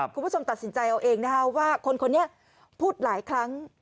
คุณผู้ชมตัดสินใจเอาเองนะคะว่าคนนี้พูดหลายครั้ง